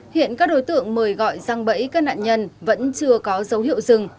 hiện các đối tượng mời gọi răng bẫy các nạn nhân vẫn chưa có dấu hiệu dừng